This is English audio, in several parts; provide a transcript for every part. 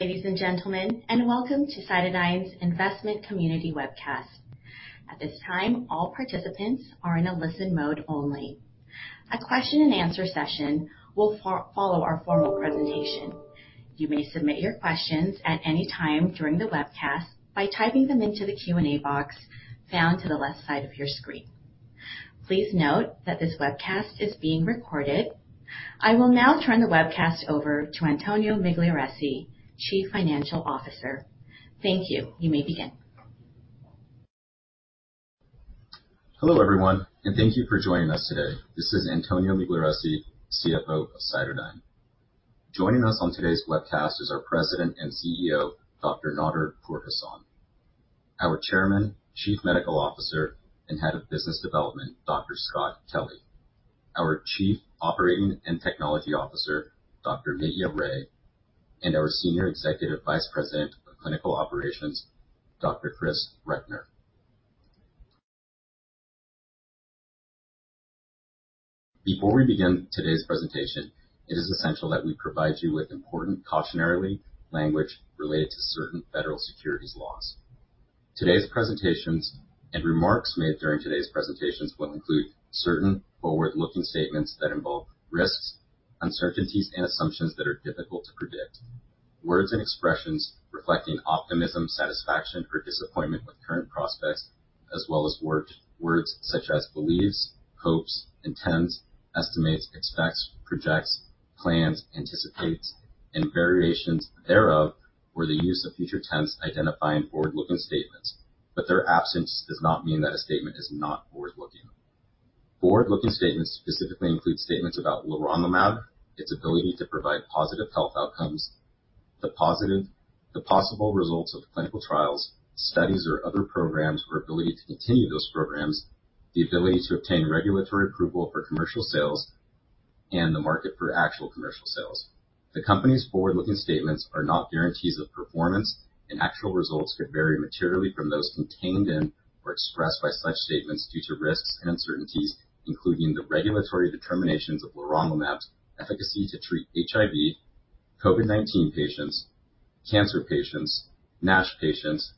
Ladies and gentlemen, welcome to CytoDyn's Investment Community Webcast. At this time, all participants are in a listen-only mode. A question-and-answer session will follow our formal presentation. You may submit your questions at any time during the webcast by typing them into the Q&A box found to the left side of your screen. Please note that this webcast is being recorded. I will now turn the webcast over to Antonio Migliarese, Chief Financial Officer. Thank you. You may begin. Hello, everyone, and thank you for joining us today. This is Antonio Migliarese, CFO of CytoDyn. Joining us on today's webcast is our President and CEO, Dr. Nader Pourhassan. Our Chairman, Chief Medical Officer and Head of Business Development, Dr. Scott Kelly. Our Chief Operating and Technology Officer, Dr. Nitya Ray, and our Senior Executive Vice President of Clinical Operations, Dr. Chris Recknor. Before we begin today's presentation, it is essential that we provide you with important cautionary language related to certain federal securities laws. Today's presentations and remarks made during today's presentations will include certain forward-looking statements that involve risks, uncertainties, and assumptions that are difficult to predict. Words and expressions reflecting optimism, satisfaction or disappointment with current prospects, as well as words such as believes, hopes, intends, estimates, expects, projects, plans, anticipates, and variations thereof, or the use of future tense identifying forward-looking statements, but their absence does not mean that a statement is not forward-looking. Forward-looking statements specifically include statements about leronlimab, its ability to provide positive health outcomes, the possible results of clinical trials, studies or other programs, or ability to continue those programs, the ability to obtain regulatory approval for commercial sales and the market for actual commercial sales. The company's forward-looking statements are not guarantees of performance, and actual results could vary materially from those contained in or expressed by such statements due to risks and uncertainties, including the regulatory determinations of leronlimab's efficacy to treat HIV, COVID-19 patients, cancer patients, NASH patients,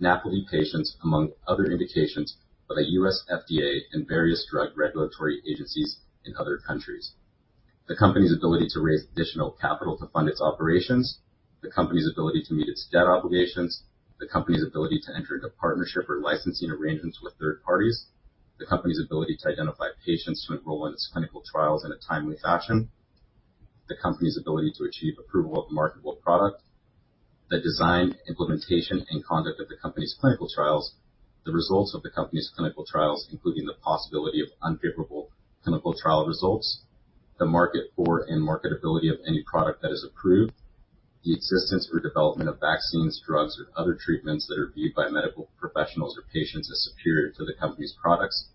NAFLD patients, among other indications by U.S. FDA and various drug regulatory agencies in other countries. The company's ability to raise additional capital to fund its operations. The company's ability to meet its debt obligations. The company's ability to enter into partnership or licensing arrangements with third parties. The company's ability to identify patients to enroll in its clinical trials in a timely fashion. The company's ability to achieve approval of marketable product. The design, implementation, and conduct of the company's clinical trials. The results of the company's clinical trials, including the possibility of unfavorable clinical trial results. The market for and marketability of any product that is approved. The existence or development of vaccines, drugs or other treatments that are viewed by medical professionals or patients as superior to the company's products.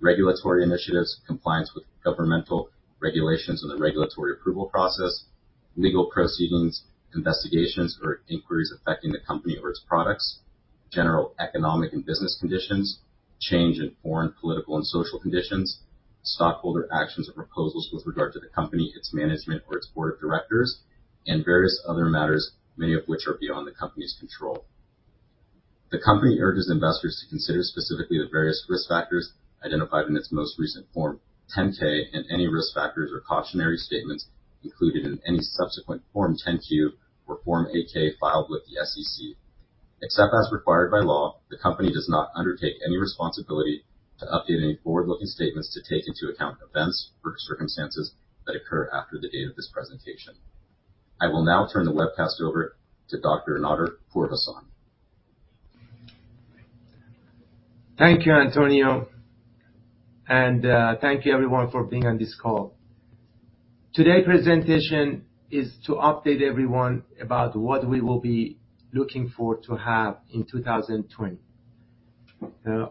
Regulatory initiatives, compliance with governmental regulations and the regulatory approval process. Legal proceedings, investigations or inquiries affecting the company or its products. General economic and business conditions. Change in foreign, political and social conditions. Stockholder actions or proposals with regard to the company, its management or its board of directors, and various other matters, many of which are beyond the company's control. The company urges investors to consider specifically the various risk factors identified in its most recent Form 10-K and any risk factors or cautionary statements included in any subsequent Form 10-Q or Form 8-K filed with the SEC. Except as required by law, the company does not undertake any responsibility to update any forward-looking statements to take into account events or circumstances that occur after the date of this presentation. I will now turn the webcast over to Dr. Nader Pourhassan. Thank you, Antonio, and thank you everyone for being on this call. Today's presentation is to update everyone about what we will be looking for to have in 2020.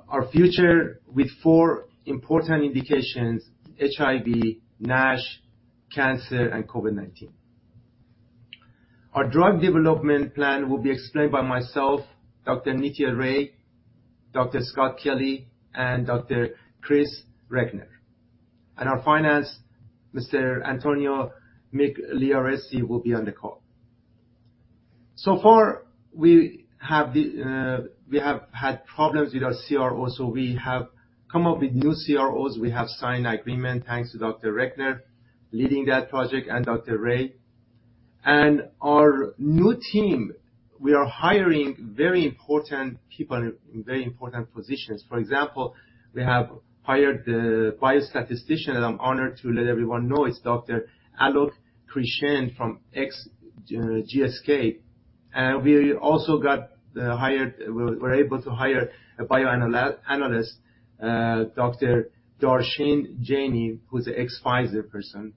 Our future with four important indications HIV, NASH, cancer, and COVID-19. Our drug development plan will be explained by myself, Dr. Nitya Ray, Dr. Scott Kelly, and Dr. Christopher Recknor. Our finance, Mr. Antonio Migliarese, will be on the call. We have had problems with our CRO, so we have come up with new CROs. We have signed an agreement. Thanks to Dr. Recknor leading that project and Dr. Ray. Our new team, we are hiring very important people in very important positions. For example, we have hired a biostatistician, and I'm honored to let everyone know it's Dr. Alok Krishen from ex-GSK. We were able to hire a bioanalyst, Dr. Darshana Jani, who's an ex-Pfizer person.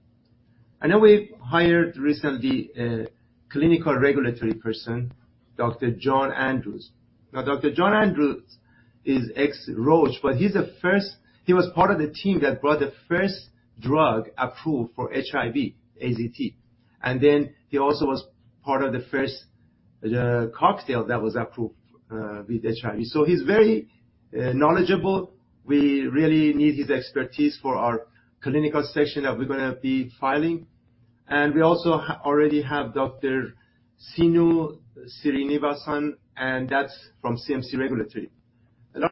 We hired recently a clinical regulatory person, Dr. John Andrews. Now, Dr. John Andrews is ex-Roche, but he was part of the team that brought the first drug approved for HIV, AZT. He also was part of the first cocktail that was approved with HIV. He's very knowledgeable. We really need his expertise for our clinical section that we're gonna be filing. We already have Dr. Seenu Srinivasan, and that's from CMC Regulatory. A lot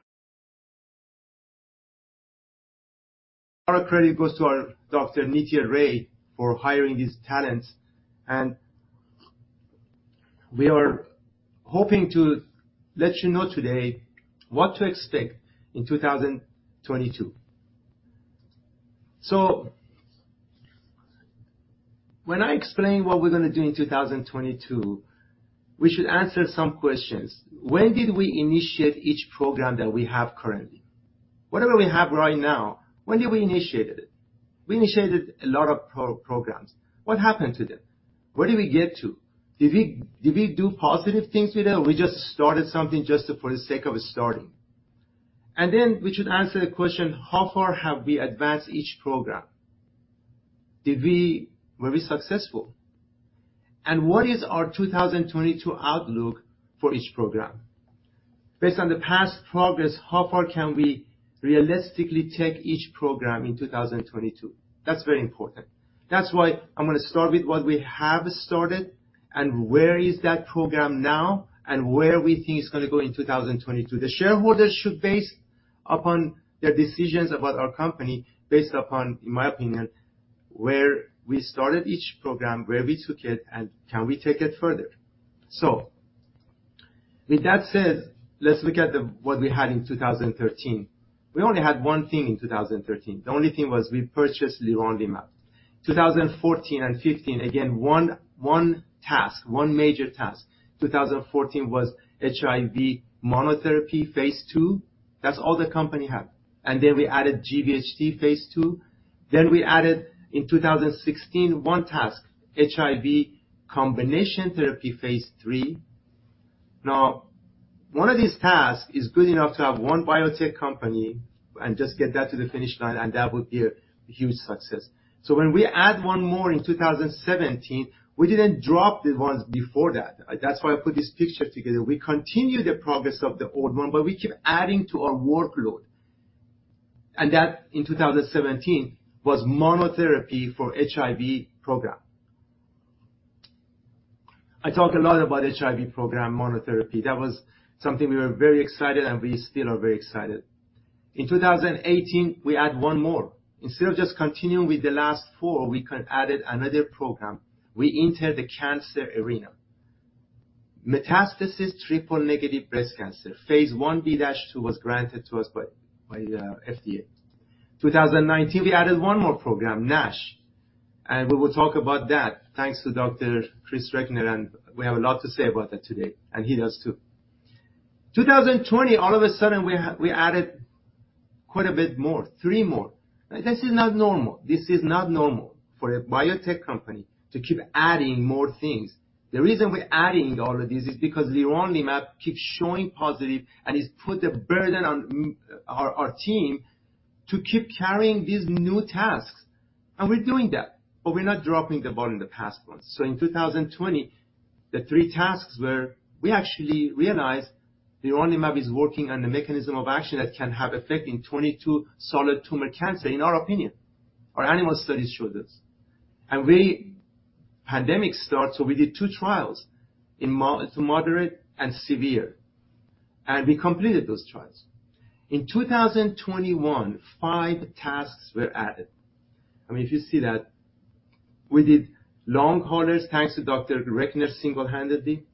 of credit goes to our Dr. Nitya Ray for hiring these talents. We are hoping to let you know today what to expect in 2022. When I explain what we're gonna do in 2022, we should answer some questions. When did we initiate each program that we have currently? Whatever we have right now, when did we initiate it? We initiated a lot of programs. What happened to them? Where did we get to? Did we do positive things with them? We just started something just for the sake of starting. We should answer the question, how far have we advanced each program? Were we successful? What is our 2022 outlook for each program? Based on the past progress, how far can we realistically take each program in 2022? That's very important. That's why I'm gonna start with what we have started, and where is that program now, and where we think it's gonna go in 2022. The shareholders should base their decisions about our company upon, in my opinion, where we started each program, where we took it, and can we take it further. With that said, let's look at what we had in 2013. We only had one thing in 2013. The only thing was we purchased leronlimab. 2014 and 15, again, one task, one major task. 2014 was HIV monotherapy phase II. That's all the company had. Then we added GVHD phase II. Then we added in 2016 one task, HIV combination therapy phase III. Now, one of these tasks is good enough to have one biotech company and just get that to the finish line, and that would be a huge success. When we add one more in 2017, we didn't drop the ones before that. That's why I put this picture together. We continue the progress of the old one, but we keep adding to our workload. That in 2017 was monotherapy for HIV program. I talk a lot about HIV program monotherapy. That was something we were very excited and we still are very excited. In 2018, we add one more. Instead of just continuing with the last four, we added another program. We entered the cancer arena. Metastatic triple-negative breast cancer. Phase I-B/II was granted to us by FDA. 2019, we added one more program, NASH. We will talk about that. Thanks to Dr. Christopher Recknor, and we have a lot to say about that today, and he does too. 2020, all of a sudden, we added quite a bit more. Three more. This is not normal. This is not normal for a biotech company to keep adding more things. The reason we're adding all of these is because leronlimab keeps showing positive, and it's put a burden on our team to keep carrying these new tasks. We're doing that, but we're not dropping the ball in the past ones. 2020, the three tasks were, we actually realized leronlimab is working on a mechanism of action that can have effect in 22 solid tumor cancer, in our opinion. Our animal studies show this. Pandemic starts, so we did two trials in moderate and severe, and we completed those trials. In 2021, five tasks were added. I mean, if you see that, we did long haulers, thanks to Dr. Recknor single-handedly.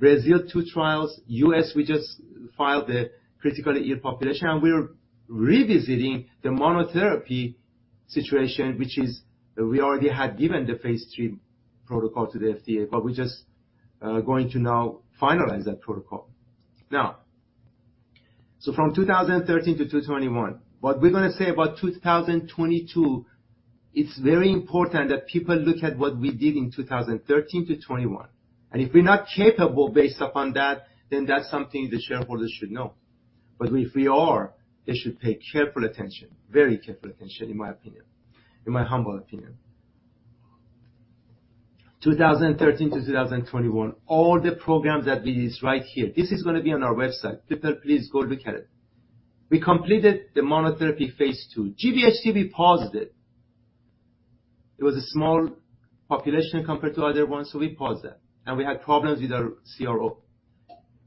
Brazil, two trials. U.S., we just filed the critically ill population. We're revisiting the monotherapy situation, which is we already had given the phase III protocol to the FDA, but we're just going to now finalize that protocol. Now, from 2013-2021. What we're gonna say about 2022, it's very important that people look at what we did in 2013-2021. If we're not capable based upon that, then that's something the shareholders should know. If we are, they should pay careful attention, very careful attention, in my opinion, in my humble opinion. 2013-2021, all the programs that we list right here. This is gonna be on our website. People, please go look at it. We completed the monotherapy phase II. GVHD, we paused it. It was a small population compared to other ones, so we paused that. We had problems with our CRO.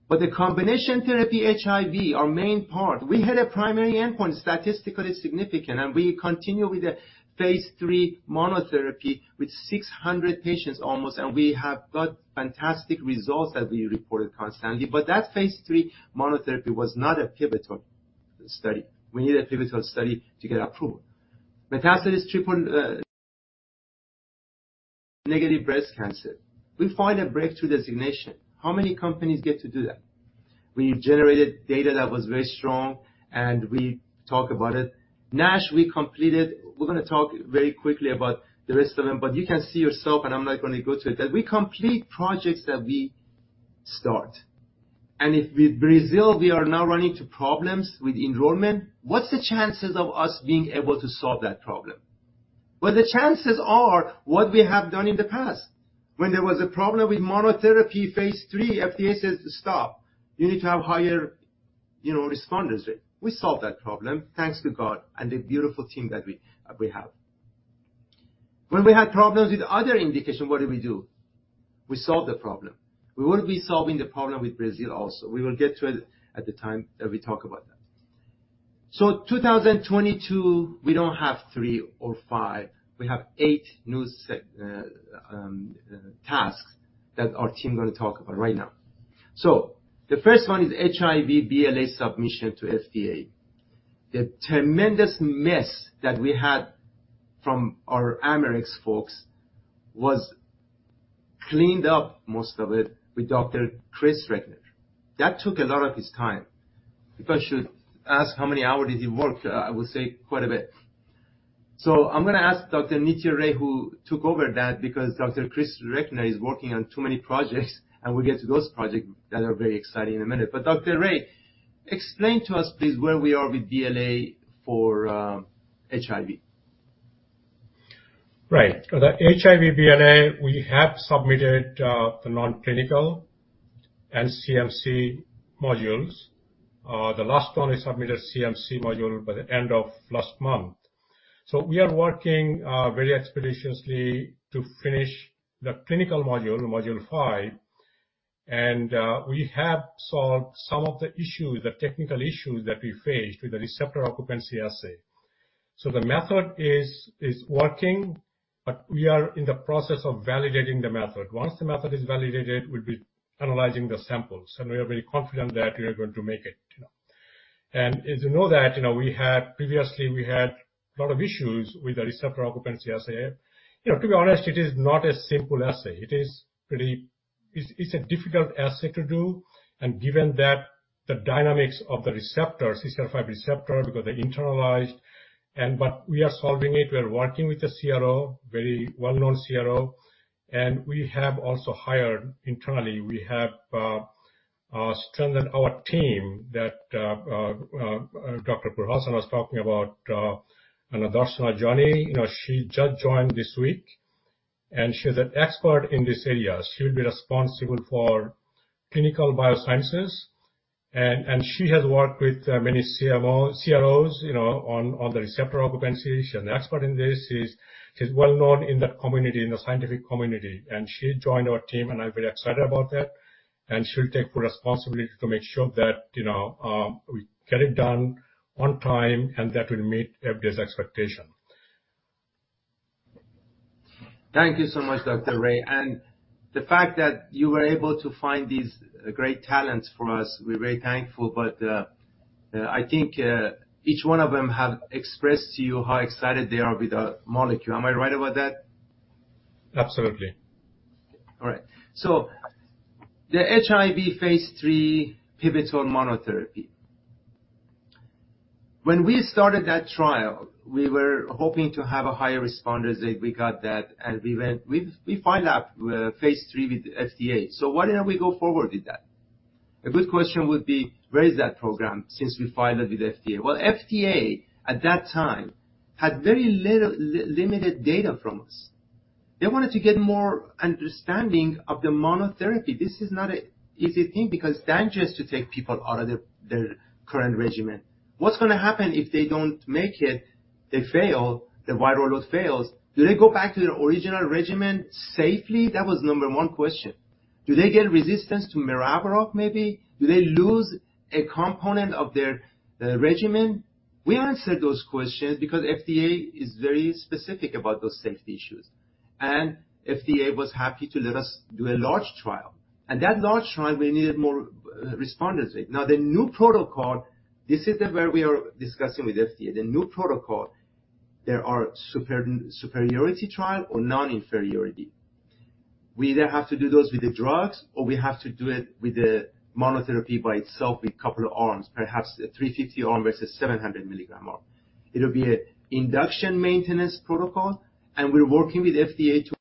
The combination therapy HIV, our main part, we hit a primary endpoint, statistically significant. We continue with the phase III monotherapy with 600 patients almost, and we have got fantastic results that we reported constantly. That phase III monotherapy was not a pivotal study. We need a pivotal study to get approval. Metastatic triple-negative breast cancer. We find a Breakthrough Therapy Designation. How many companies get to do that? We generated data that was very strong, and we talk about it. NASH, we completed. We're gonna talk very quickly about the rest of them, but you can see yourself, and I'm not gonna go through it, that we complete projects that we start. If with Brazil, we are now running into problems with enrollment, what's the chances of us being able to solve that problem? The chances are what we have done in the past. When there was a problem with monotherapy phase III, FDA says, "Stop. You need to have higher, you know, responders rate." We solved that problem, thanks to God and the beautiful team that we have. When we had problems with other indication, what did we do? We solved the problem. We will be solving the problem with Brazil also. We will get to it at the time that we talk about that. 2022, we don't have three or five, we have eight new tasks that our team gonna talk about right now. The first one is HIV BLA submission to FDA. The tremendous mess that we had from our Amarex folks was cleaned up, most of it, with Dr. Christopher Recknor. That took a lot of his time. If I should ask how many hours did he work, I would say quite a bit. I'm gonna ask Dr. Nitya Ray, who took over that because Dr. Christopher Recknor is working on too many projects, and we'll get to those projects that are very exciting in a minute. Dr. Ray, explain to us please where we are with BLA for HIV. Right. For the HIV BLA, we have submitted the non-clinical and CMC modules. The last one, we submitted CMC module by the end of last month. We are working very expeditiously to finish the clinical module five, and we have solved some of the issues, the technical issues that we faced with the receptor occupancy assay. The method is working, but we are in the process of validating the method. Once the method is validated, we'll be analyzing the samples, and we are very confident that we are going to make it, you know. As you know that, you know, we had a lot of issues with the receptor occupancy assay. You know, to be honest, it is not a simple assay. It is pretty. It's a difficult assay to do, and given that the dynamics of the receptor, CCR5 receptor, because they internalize and but we are solving it. We are working with the CRO, very well-known CRO, and we have also hired internally. We have strengthened our team that Dr. Pourhassan was talking about, Darshana Jani. You know, she just joined this week, and she's an expert in this area. She'll be responsible for clinical biosciences and she has worked with many CROs, you know, on the receptor occupancy. She's an expert in this. She's well-known in the community, in the scientific community, and she joined our team and I'm very excited about that. She'll take full responsibility to make sure that, you know, we get it done on time and that will meet FDA's expectation. Thank you so much, Dr. Ray. The fact that you were able to find these great talents for us, we're very thankful. I think, each one of them have expressed to you how excited they are with the molecule. Am I right about that? Absolutely. All right. The HIV phase III pivotal monotherapy. When we started that trial, we were hoping to have a higher response rate. We got that and we went. We filed phase III with FDA. Why didn't we go forward with that? A good question would be, where is that program since we filed it with FDA? Well, FDA at that time had very little limited data from us. They wanted to get more understanding of the monotherapy. This is not an easy thing because it's dangerous to take people out of their current regimen. What's gonna happen if they don't make it, they fail, the viral load fails? Do they go back to their original regimen safely? That was number one question. Do they get resistance to maraviroc, maybe? Do they lose a component of their regimen? We answered those questions because FDA is very specific about those safety issues. FDA was happy to let us do a large trial. That large trial, we needed more responder rate. Now, the new protocol, this is where we are discussing with FDA. The new protocol, there are superiority trial or non-inferiority. We either have to do those with the drugs, or we have to do it with the monotherapy by itself with couple of arms, perhaps a 350 arm versus 700 milligram arm. It'll be a induction maintenance protocol, and we're working with FDA to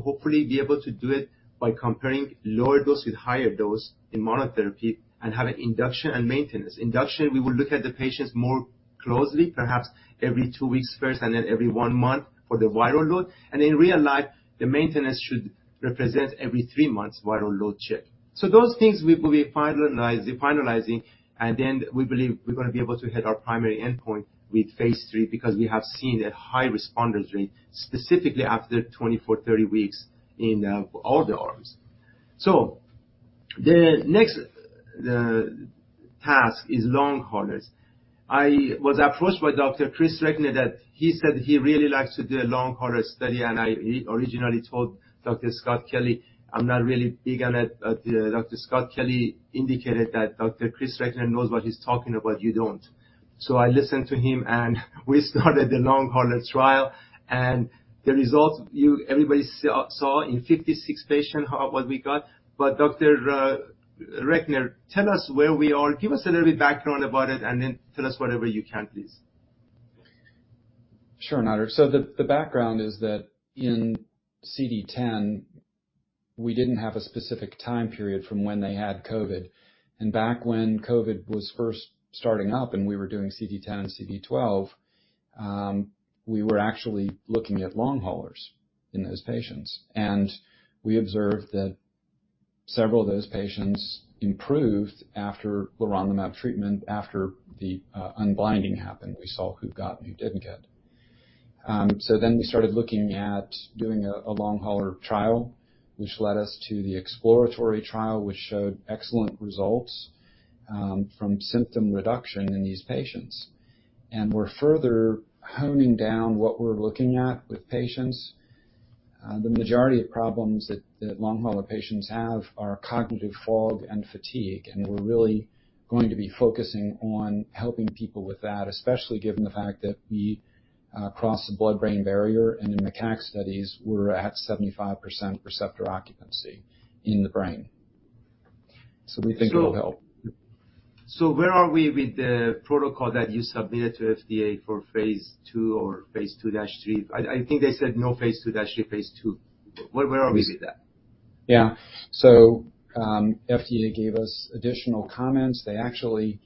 hopefully be able to do it by comparing lower dose with higher dose in monotherapy and have an induction and maintenance. Induction, we will look at the patients more closely, perhaps every two weeks first, and then every one month for the viral load. In real life, the maintenance should represent every three months viral load check. Those things we're finalizing, and then we believe we're gonna be able to hit our primary endpoint with phase III because we have seen a high responders rate, specifically after 24, 30 weeks in all the arms. The next task is long haulers. I was approached by Dr. Christopher Recknor that he said he really likes to do a long hauler study, and I originally told Dr. Scott Kelly I'm not really big on it. Dr. Scott Kelly indicated that Dr. Christopher Recknor knows what he's talking about, you don't. I listened to him, and we started the long hauler trial. The results everybody saw in 56 patients, what we got. Dr. Recknor, tell us where we are. Give us a little bit background about it, and then tell us whatever you can, please. Sure, Nader. The background is that in CD10 we didn't have a specific time period from when they had COVID. Back when COVID was first starting up and we were doing CD10 and CD12, we were actually looking at long haulers in those patients. We observed that several of those patients improved after leronlimab treatment after the unblinding happened. We saw who got and who didn't get. We started looking at doing a long hauler trial, which led us to the exploratory trial, which showed excellent results from symptom reduction in these patients. We're further honing down what we're looking at with patients. The majority of problems that long hauler patients have are cognitive fog and fatigue, and we're really going to be focusing on helping people with that, especially given the fact that we cross the blood-brain barrier, and in macaque studies, we're at 75% receptor occupancy in the brain. We think it will help. Where are we with the protocol that you submitted to FDA for phase II or phase II-III? I think they said no phase II-III, phase II. Where are we with that? Yeah. FDA gave us additional comments. They actually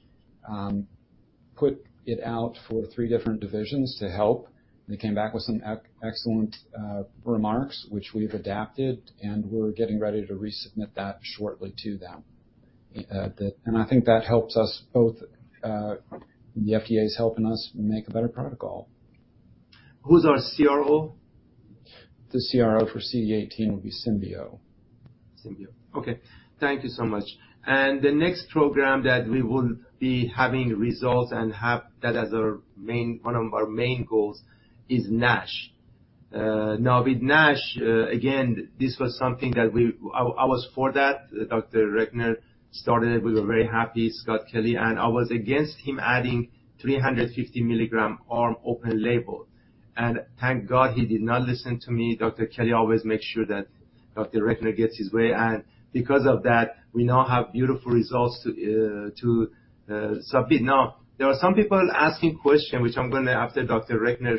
put it out for three different divisions to help. They came back with some excellent remarks, which we've adapted, and we're getting ready to resubmit that shortly to them. I think that helps us both. The FDA is helping us make a better protocol. Who's our CRO? The CRO for CD18 will be Symbio. Symbio. Thank you so much. The next program that we will be having results and have that as our main, one of our main goals is NASH. Now with NASH, again, this was something that I was for that. Dr. Recknor started it. We were very happy, Scott Kelly, and I was against him adding 350 mg arm open label. Thank God he did not listen to me. Dr. Kelly always makes sure that Dr. Recknor gets his way, and because of that, we now have beautiful results to submit. There are some people asking question, which I'm gonna after Dr. Recknor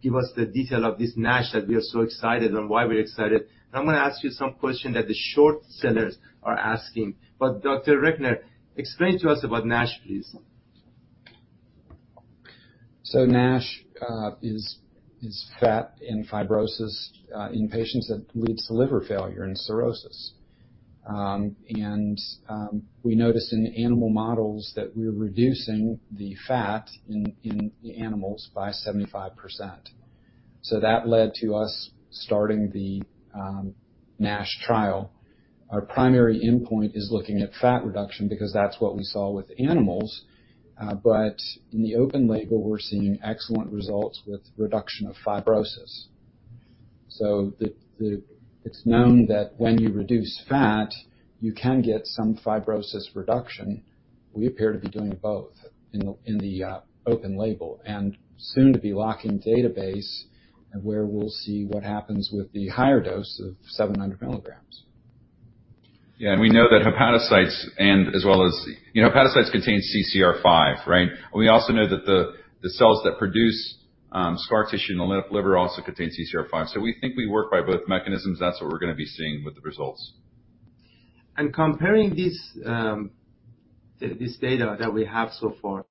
give us the detail of this NASH that we are so excited and why we're excited. I'm gonna ask you some question that the short sellers are asking. Dr. Recknor, explain to us about NASH, please. NASH is fat and fibrosis in patients that leads to liver failure and cirrhosis. We noticed in the animal models that we're reducing the fat in the animals by 75%. That led to us starting the NASH trial. Our primary endpoint is looking at fat reduction because that's what we saw with animals. In the open label, we're seeing excellent results with reduction of fibrosis. It's known that when you reduce fat, you can get some fibrosis reduction. We appear to be doing both in the open label and soon to be locking database where we'll see what happens with the higher dose of 700 milligrams. Yeah. We know that, you know, hepatocytes contain CCR5, right? We also know that the cells that produce scar tissue in the liver also contain CCR5. We think we work by both mechanisms. That's what we're gonna be seeing with the results. Comparing this data that we have so far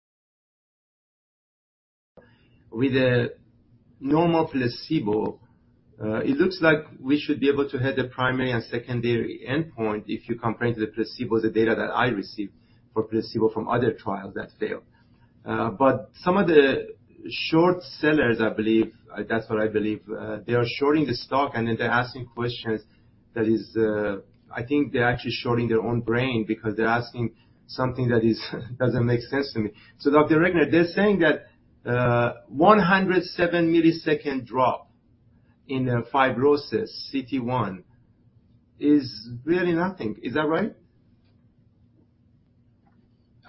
with the normal placebo, it looks like we should be able to hit the primary and secondary endpoint if you compare it to the placebo, the data that I received for placebo from other trials that failed. But some of the short sellers, I believe, that's what I believe, they are shorting the stock, and then they're asking questions that is. I think they're actually shorting their own brain because they're asking something that isn't make sense to me. Dr. Recknor, they're saying that, 107-millisecond drop in the fibrosis cT1 is really nothing. Is that right?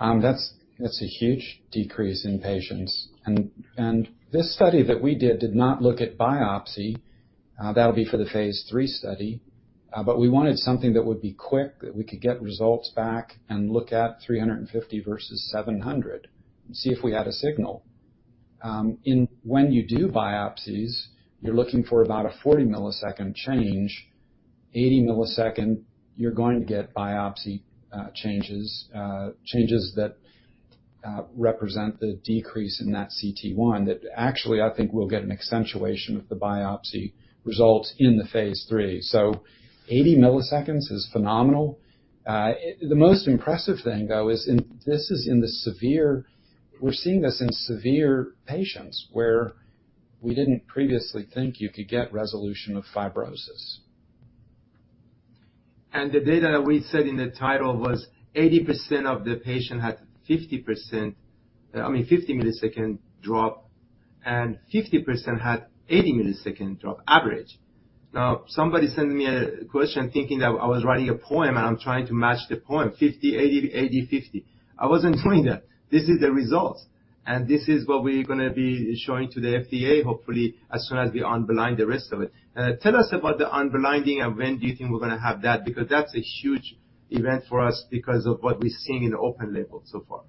That's a huge decrease in patients. This study that we did did not look at biopsy. That'll be for the phase III study. We wanted something that would be quick that we could get results back and look at 350 versus 700 and see if we had a signal. When you do biopsies, you're looking for about a 40-millisecond change. 80-millisecond, you're going to get biopsy changes that represent the decrease in that cT1 that actually I think will get an accentuation with the biopsy results in the phase III. 80 milliseconds is phenomenal. The most impressive thing, though, is this is in the severe. We're seeing this in severe patients where we didn't previously think you could get resolution of fibrosis. The data we said in the title was 80% of the patient had 50%, I mean, 50 millisecond drop, and 50% had 80 millisecond drop average. Now, somebody sent me a question thinking that I was writing a poem, and I'm trying to match the poem, 50, 80, 50. I wasn't doing that. This is the results, and this is what we're gonna be showing to the FDA, hopefully, as soon as we unblind the rest of it. Tell us about the unblinding and when do you think we're gonna have that because that's a huge event for us because of what we're seeing in the open label so far.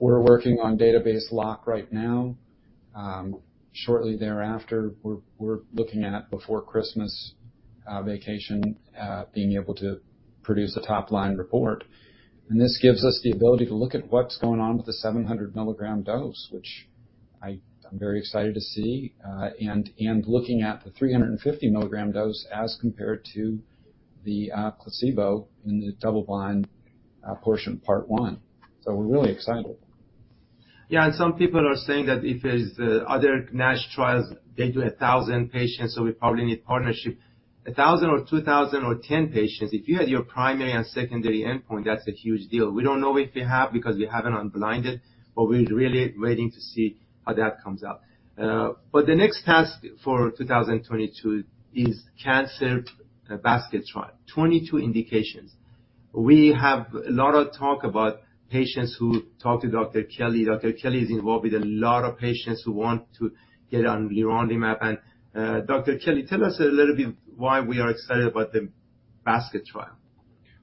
We're working on database lock right now. Shortly thereafter, we're looking to be able to produce the top-line report before Christmas vacation. This gives us the ability to look at what's going on with the 700 mg dose, which I'm very excited to see, and looking at the 350 mg dose as compared to the placebo in the double-blind portion, part one. We're really excited. Yeah. Some people are saying that if there's other NASH trials, they do 1,000 patients, so we probably need partnership. 1,000 or 2,000 or 10 patients, if you had your primary and secondary endpoint, that's a huge deal. We don't know if we have because we haven't unblinded, but we're really waiting to see how that comes out. The next task for 2022 is cancer basket trial, 22 indications. We have a lot of talk about patients who talk to Dr. Kelly. Dr. Kelly is involved with a lot of patients who want to get on leronlimab. Dr. Kelly, tell us a little bit why we are excited about the basket trial.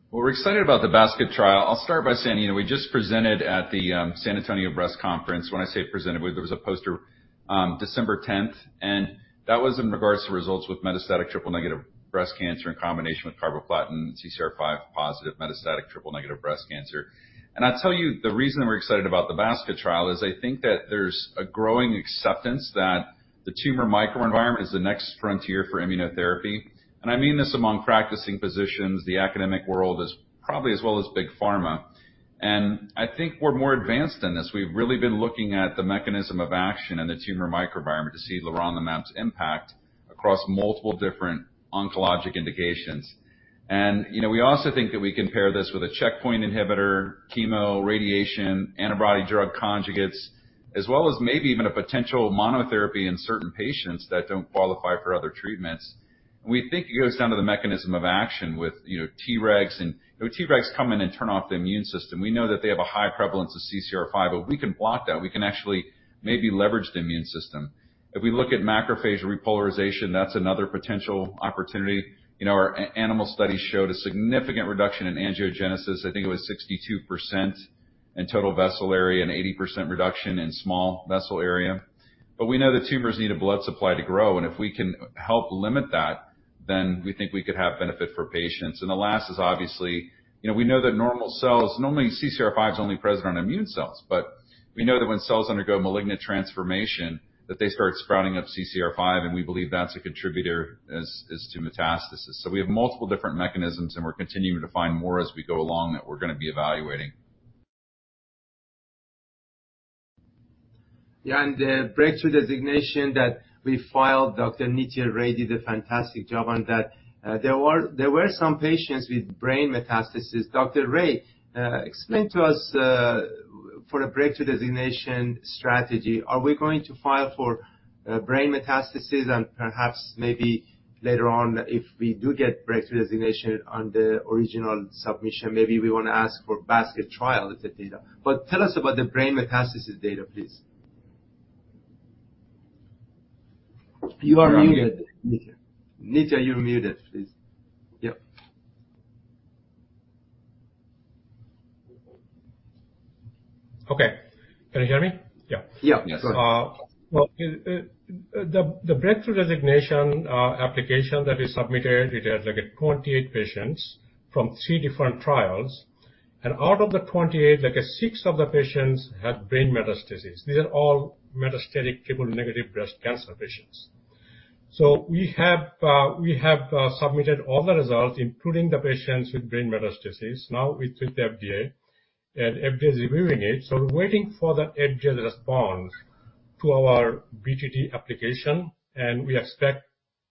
Well, we're excited about the basket trial. I'll start by saying, you know, we just presented at the San Antonio Breast Cancer Symposium. When I say presented, there was a poster on December 10th, and that was in regards to results with metastatic triple-negative breast cancer in combination with carboplatin CCR5 positive metastatic triple-negative breast cancer. I tell you the reason we're excited about the basket trial is I think that there's a growing acceptance that the tumor microenvironment is the next frontier for immunotherapy. I mean this among practicing physicians, the academic world as, probably as well as Big Pharma. I think we're more advanced in this. We've really been looking at the mechanism of action in the tumor microenvironment to see leronlimab's impact across multiple different oncologic indications. You know, we also think that we can pair this with a checkpoint inhibitor, chemo, radiation, antibody drug conjugates, as well as maybe even a potential monotherapy in certain patients that don't qualify for other treatments. We think it goes down to the mechanism of action with, you know, Tregs, and Tregs come in and turn off the immune system. We know that they have a high prevalence of CCR5, but we can block that. We can actually maybe leverage the immune system. If we look at macrophage repolarization, that's another potential opportunity. You know, our animal studies showed a significant reduction in angiogenesis. I think it was 62% in total vessel area and 80% reduction in small vessel area. We know the tumors need a blood supply to grow, and if we can help limit that, then we think we could have benefit for patients. The last is obviously, you know, we know that normal cells. Normally, CCR5 is only present on immune cells, but we know that when cells undergo malignant transformation, that they start sprouting up CCR5, and we believe that's a contributor as to metastasis. We have multiple different mechanisms, and we're continuing to find more as we go along that we're gonna be evaluating. Yeah. The breakthrough designation that we filed, Dr. Nitya Ray did a fantastic job on that. There were some patients with brain metastasis. Dr. Ray, explain to us, for a breakthrough designation strategy, are we going to file for brain metastasis and perhaps maybe later on, if we do get breakthrough designation on the original submission, maybe we wanna ask for basket trial et cetera. But tell us about the brain metastasis data, please. You are muted, Nitya. Nitya, you're muted. Please. Yep. Okay. Can you hear me? Yeah. Yeah. Go ahead. Well, the breakthrough designation application that we submitted, it has like 28 patients from three different trials. Out of the 28, like six of the patients had brain metastasis. These are all metastatic triple-negative breast cancer patients. We have submitted all the results, including the patients with brain metastasis now with the FDA, and FDA is reviewing it. We're waiting for the FDA to respond to our BTD application, and we expect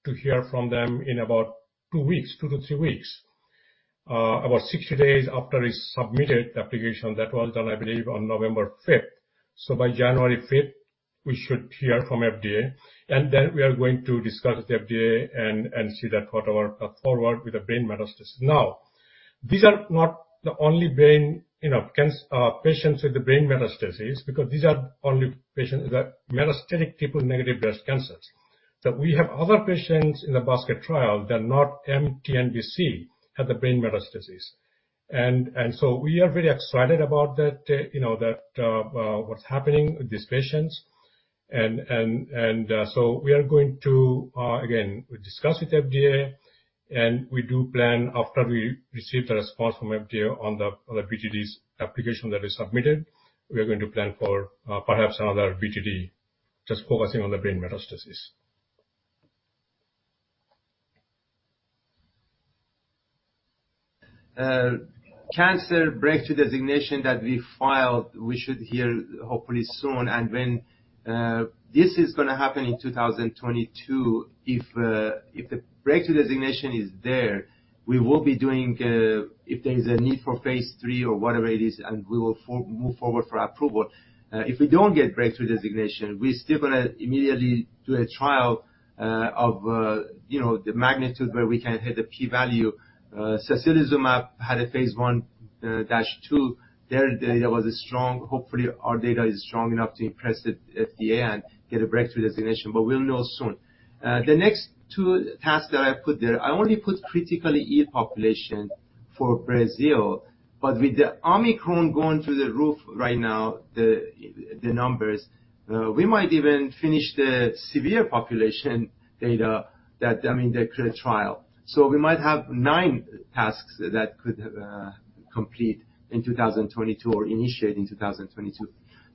to hear from them in about two weeks, two to three weeks. About 60 days after it's submitted, the application, that was done, I believe, on November 5th. By January 5th, we should hear from FDA. Then we are going to discuss with FDA and see that what our path forward with the brain metastasis. Now, these are not the only brain, you know, cancer patients with the brain metastasis, because these are only patients that metastatic triple-negative breast cancers. We have other patients in the basket trial that are not mTNBC at the brain metastasis. We are very excited about that, you know, that what's happening with these patients. We are going to again discuss with FDA, and we do plan after we receive the response from FDA on the BTD's application that is submitted, we are going to plan for perhaps another BTD just focusing on the brain metastasis. Cancer breakthrough designation that we filed, we should hear hopefully soon. When this is gonna happen in 2022, if the breakthrough designation is there, we will be doing if there is a need for phase III or whatever it is, and we will move forward for approval. If we don't get breakthrough designation, we still gonna immediately do a trial, you know, the magnitude where we can hit a P-value. Sacituzumab had a phase I-II. Their data was strong. Hopefully, our data is strong enough to impress the FDA and get a breakthrough designation, but we'll know soon. The next two tasks that I put there, I only put critically ill population for Brazil. With the Omicron going through the roof right now, the numbers, we might even finish the severe population data that, I mean, the current trial. We might have nine tasks that could complete in 2022 or initiate in 2022.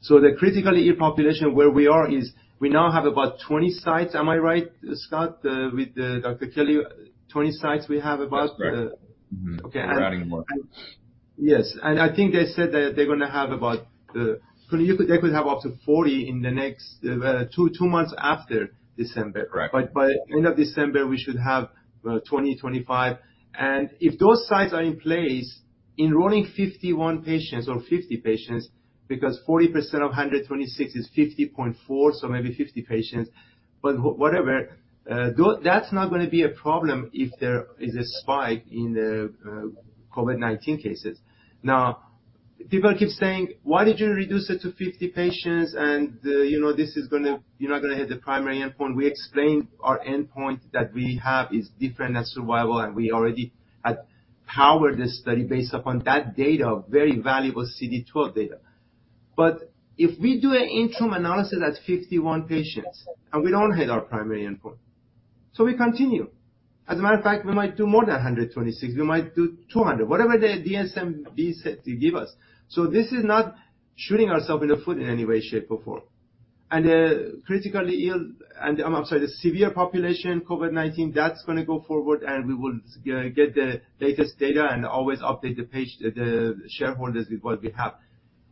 The critically ill population where we are, we now have about 20 sites. Am I right, Dr. Scott Kelly? That's correct. Mm-hmm. Okay. We're adding more. Yes. I think they said that they're gonna have about. They could have up to 40 in the next two months after December. Correct. By end of December, we should have 20-25. If those sites are in place, enrolling 51 patients or 50 patients, because 40% of 126 is 50.4, so maybe 50 patients, but whatever, that's not gonna be a problem if there is a spike in the COVID-19 cases. Now, people keep saying, "Why did you reduce it to 50 patients and, you know, this is gonna, you're not gonna hit the primary endpoint?" We explained our endpoint that we have is different than survival, and we already had powered the study based upon that data, very valuable CD12 data. If we do an interim analysis at 51 patients, and we don't hit our primary endpoint, so we continue. As a matter of fact, we might do more than 126. We might do 200, whatever the DSMB sees fit to give us. This is not shooting ourselves in the foot in any way, shape, or form. Critically ill, and I'm sorry, the severe population COVID-19, that's gonna go forward, and we will get the latest data and always update the page, the shareholders with what we have.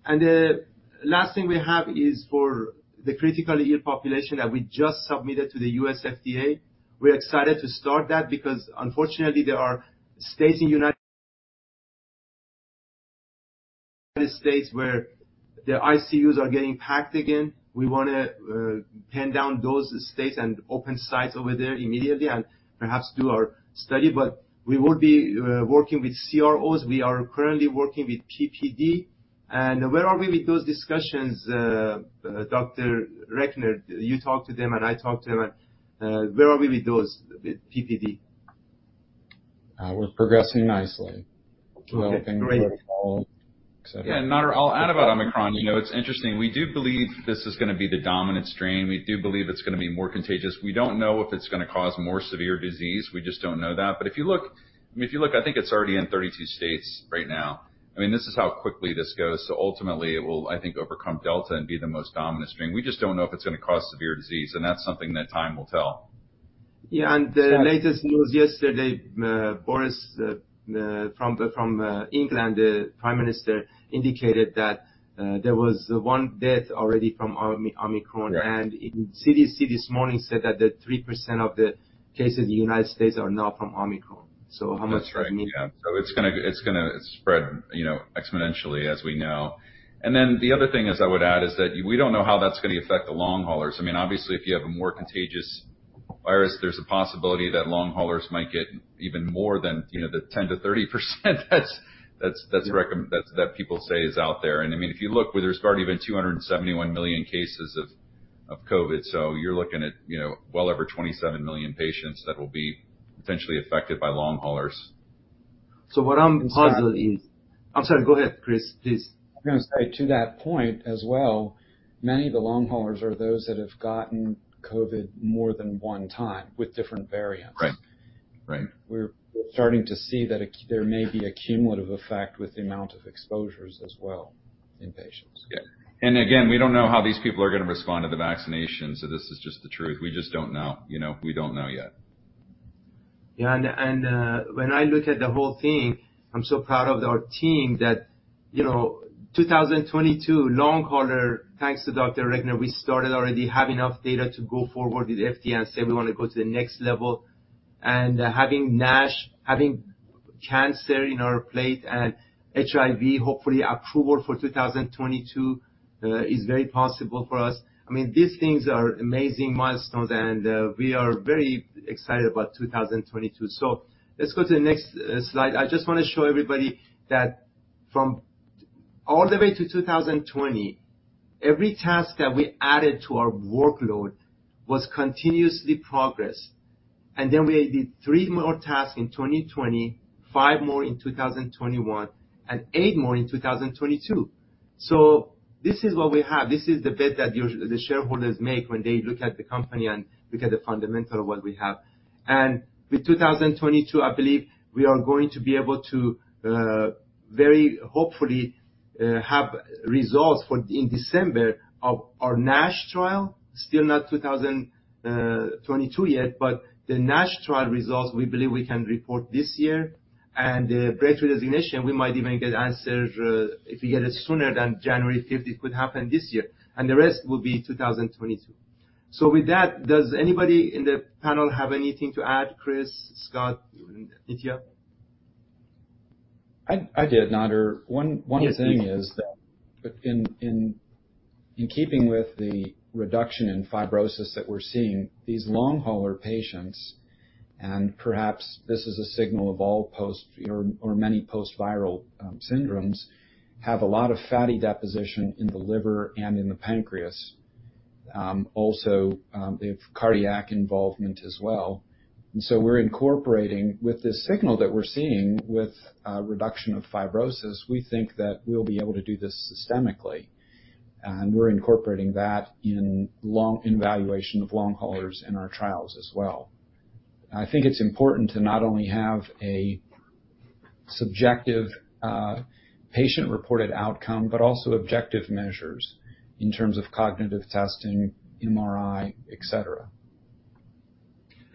The last thing we have is for the critically ill population that we just submitted to the U.S. FDA. We're excited to start that because unfortunately, there are states in United States where the ICUs are getting packed again. We wanna pin down those states and open sites over there immediately and perhaps do our study. We would be working with CROs. We are currently working with PPD. Where are we with those discussions, Dr. Recknor? You talked to them, and I talked to them. Where are we with those, with PPD? We're progressing nicely. Okay, great. Developing the protocol, et cetera. Yeah. Nader, I'll add about Omicron. You know, it's interesting. We do believe this is gonna be the dominant strain. We do believe it's gonna be more contagious. We don't know if it's gonna cause more severe disease. We just don't know that. But if you look, I mean, I think it's already in 32 states right now. I mean, this is how quickly this goes. So ultimately, it will, I think, overcome Delta and be the most dominant strain. We just don't know if it's gonna cause severe disease, and that's something that time will tell. Yeah. The latest news yesterday, Boris Johnson from England, the Prime Minister, indicated that there was one death already from Omicron. Yes. The CDC this morning said that 3% of the cases in the United States are now from Omicron. How much That's right. Yeah. It's gonna spread, you know, exponentially as we know. The other thing is I would add is that we don't know how that's gonna affect the long haulers. I mean, obviously, if you have a more contagious virus, there's a possibility that long haulers might get even more than, you know, the 10%-30% that people say is out there. I mean, if you look, there's already been 271 million cases of COVID. You're looking at, you know, well over 27 million patients that will be potentially affected by long haulers. What I'm puzzled is. I'm sorry, go ahead, Chris, please. I'm gonna say to that point as well, many of the long haulers are those that have gotten COVID more than one time with different variants. Right. We're starting to see that there may be a cumulative effect with the amount of exposures as well in patients. Yeah. We don't know how these people are gonna respond to the vaccination, so this is just the truth. We just don't know. You know? We don't know yet. Yeah. When I look at the whole thing, I'm so proud of our team that, you know, 2022 long hauler, thanks to Dr. Recknor, we already have enough data to go forward with FDA and say we wanna go to the next level. Having NASH, having cancer on our plate and HIV, hopefully approval for 2022 is very possible for us. I mean, these things are amazing milestones, and we are very excited about 2022. Let's go to the next slide. I just wanna show everybody that from all the way to 2020, every task that we added to our workload was continuous progress. Then we did three more tasks in 2020, five more in 2021, and eight more in 2022. This is what we have. This is the bet that the shareholders make when they look at the company and look at the fundamentals of what we have. With 2022, I believe we are going to be able to very hopefully have results in December of our NASH trial, still not 2022 yet. The NASH trial results, we believe we can report this year. The breakthrough designation, we might even get answers if we get it sooner than January 15th. It could happen this year. The rest will be 2022. With that, does anybody in the panel have anything to add, Chris, Scott, Nitya? I did, Nader. One thing is that in keeping with the reduction in fibrosis that we're seeing, these long hauler patients, and perhaps this is a signal of all post or many post-viral syndromes, have a lot of fatty deposition in the liver and in the pancreas. Also, they have cardiac involvement as well. We're incorporating with the signal that we're seeing with reduction of fibrosis, we think that we'll be able to do this systemically. We're incorporating that in valuation of long haulers in our trials as well. I think it's important to not only have a subjective patient-reported outcome, but also objective measures in terms of cognitive testing, MRI, et cetera.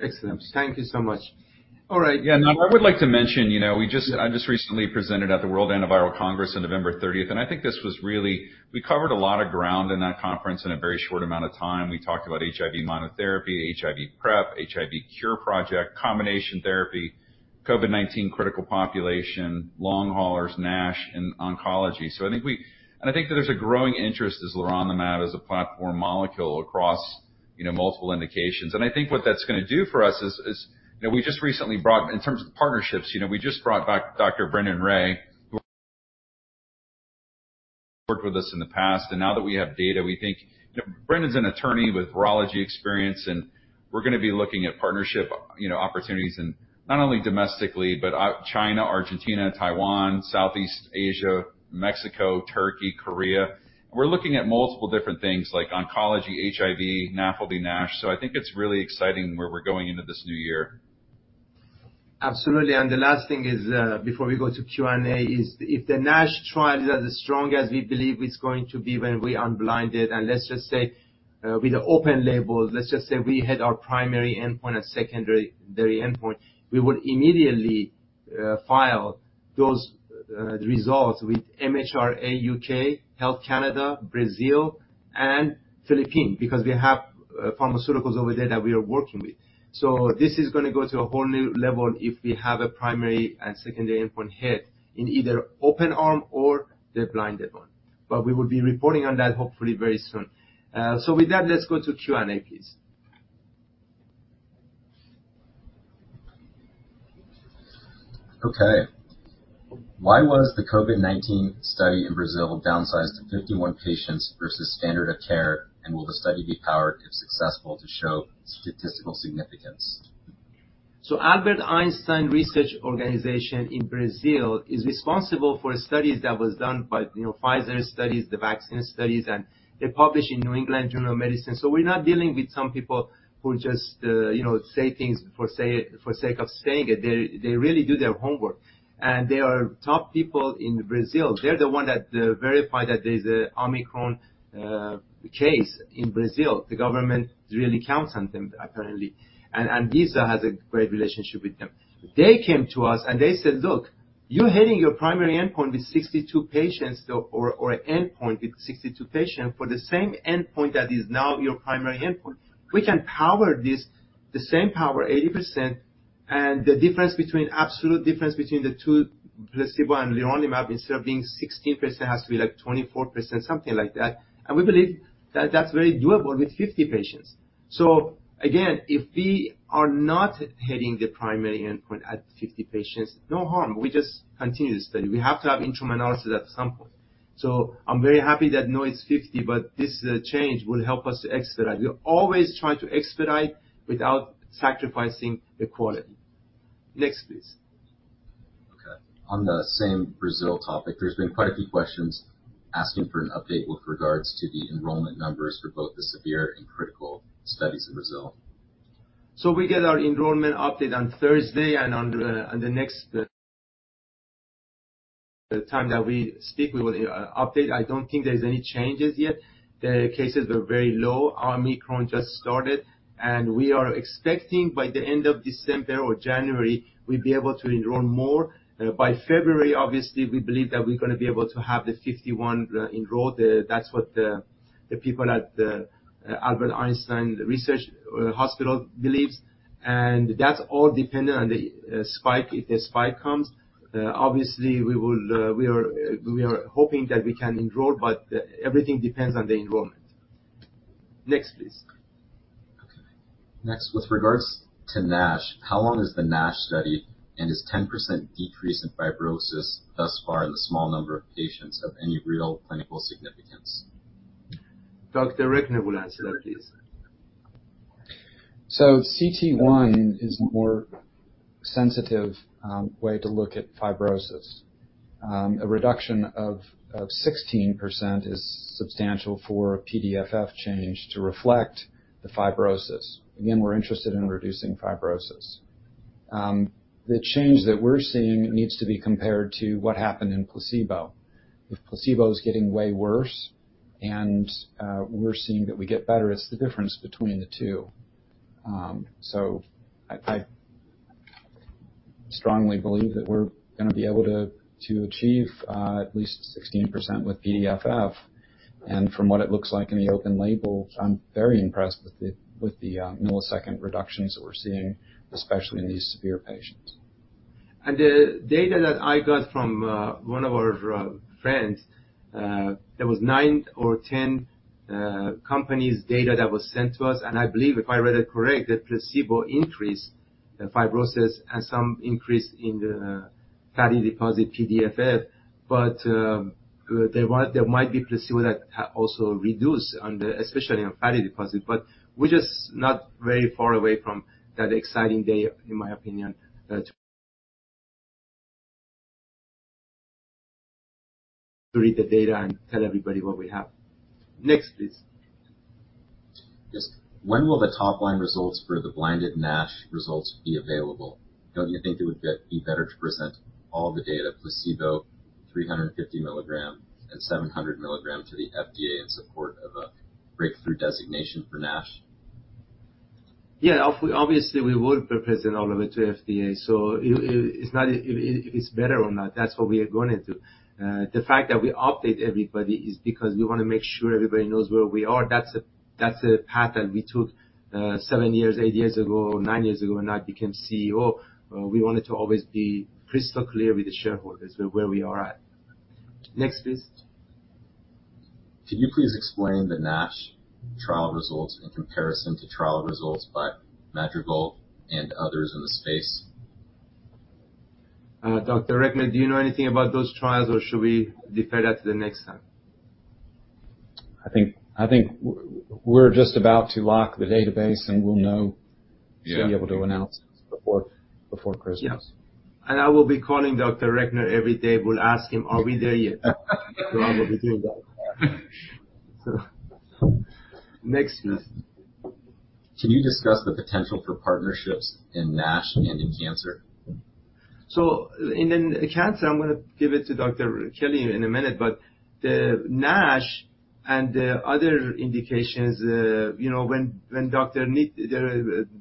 Excellent. Thank you so much. All right. Yeah. No, I would like to mention, you know, I just recently presented at the World Antiviral Congress on November 30, and I think we covered a lot of ground in that conference in a very short amount of time. We talked about HIV monotherapy, HIV PrEP, HIV Cure Project, combination therapy, COVID-19 critical population, long haulers, NASH, and oncology. I think that there's a growing interest in leronlimab as a platform molecule across, you know, multiple indications. I think what that's gonna do for us is, you know, in terms of partnerships, you know, we just brought back Dr. Brendan Rae, who worked with us in the past. Now that we have data, we think... You know, Brendan's an attorney with virology experience, and we're gonna be looking at partnership, you know, opportunities in not only domestically, but, China, Argentina, Taiwan, Southeast Asia, Mexico, Turkey, Korea. We're looking at multiple different things like oncology, HIV, NAFLD, NASH. I think it's really exciting where we're going into this new year. Absolutely. The last thing is, before we go to Q&A, is if the NASH trial is as strong as we believe it's going to be when we unblind it, and let's just say, with the open label, let's just say we hit our primary endpoint or secondary endpoint, we would immediately file those results with MHRA UK, Health Canada, Brazil, and Philippines because we have pharmaceuticals over there that we are working with. This is gonna go to a whole new level if we have a primary and secondary endpoint hit in either open arm or the blinded one. We will be reporting on that hopefully very soon. With that, let's go to Q&A, please. Okay. Why was the COVID-19 study in Brazil downsized to 51 patients versus standard of care? Will the study be powered if successful to show statistical significance? Albert Einstein Israelite Hospital in Brazil is responsible for studies that was done by Pfizer studies, the vaccine studies, and they publish in New England Journal of Medicine. We're not dealing with some people who just say things for the sake of saying it. They really do their homework. They are top people in Brazil. They're the one that verify that there's an Omicron case in Brazil. The government really counts on them, apparently. ANVISA Has a great relationship with them. They came to us, and they said, "Look, you're hitting your primary endpoint with 62 patients or endpoint with 62 patients for the same endpoint that is now your primary endpoint. We can power this, the same power, 80%, and the difference between, absolute difference between the two, placebo and leronlimab, instead of being 16%, it has to be, like, 24%, something like that. We believe that that's very doable with 50 patients. Again, if we are not hitting the primary endpoint at 50 patients, no harm. We just continue the study. We have to have interim analysis at some point. I'm very happy that now it's 50, but this change will help us to expedite. We always try to expedite without sacrificing the quality. Next, please. Okay. On the same Brazil topic, there's been quite a few questions asking for an update with regards to the enrollment numbers for both the severe and critical studies in Brazil. We get our enrollment update on Thursday, and on the next time that we speak, we will update. I don't think there's any changes yet. The cases were very low. Omicron just started, and we are expecting by the end of December or January, we'll be able to enroll more. By February, obviously, we believe that we're gonna be able to have the 51 enrolled. That's what the people at Albert Einstein Israelite Hospital believes. That's all dependent on the spike, if the spike comes. Obviously, we are hoping that we can enroll, but everything depends on the enrollment. Next, please. Okay. Next. With regards to NASH, how long is the NASH study, and is 10% decrease in fibrosis thus far in the small number of patients have any real clinical significance? Dr. Recknor would answer that, please. cT1 is the more sensitive way to look at fibrosis. A reduction of 16% is substantial for a PDFF change to reflect the fibrosis. Again, we're interested in reducing fibrosis. The change that we're seeing needs to be compared to what happened in placebo. If placebo is getting way worse and we're seeing that we get better, it's the difference between the two. I strongly believe that we're gonna be able to achieve at least 16% with PDFF. From what it looks like in the open label, I'm very impressed with the millisecond reductions that we're seeing, especially in these severe patients. The data that I got from one of our friends, there was nine or 10 company's data that was sent to us. I believe, if I read it correct, that placebo increased the fibrosis and some increase in the fatty deposit PDFF. There might be placebo that also reduce on the, especially on fatty deposit. We're just not very far away from that exciting day, in my opinion, to read the data and tell everybody what we have. Next, please. Yes. When will the top line results for the blinded NASH results be available? Don't you think it would be better to present all the data, placebo 350 mg and 700 mg to the FDA in support of a breakthrough designation for NASH? Yeah. Obviously, we would present all of it to FDA. It's not if it's better or not, that's what we are going to do. The fact that we update everybody is because we wanna make sure everybody knows where we are. That's a path that we took seven years, eight years ago, nine years ago when I became CEO. We wanted to always be crystal clear with the shareholders where we are at. Next, please. Can you please explain the NASH trial results in comparison to trial results by Madrigal and others in the space? Dr. Recknor, do you know anything about those trials, or should we defer that to the next time? I think we're just about to lock the database, and we'll know. Yeah. to be able to announce before Christmas. Yes. I will be calling Dr. Recknor every day. Will ask him, "Are we there yet?" Ramon will be doing that. Next, please. Can you discuss the potential for partnerships in NASH and in cancer? In cancer, I'm gonna give it to Dr. Kelly in a minute. The NASH and the other indications, when Dr. Nitya